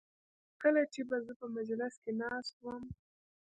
کله چې به زه په مجلس کې ناست وم.